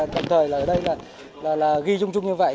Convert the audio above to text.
tạm thời là ở đây là ghi chung chung như vậy